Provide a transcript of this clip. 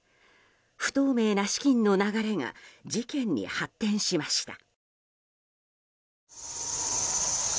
不透明な資金の流れが事件に発展しました。